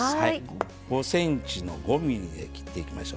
５ｃｍの５ｍｍで切っていきましょう。